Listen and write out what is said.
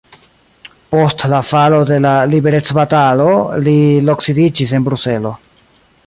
Post la falo de liberecbatalo li loksidiĝis en Bruselo.